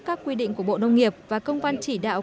các quy định của bộ nông nghiệp và công văn chỉ đạo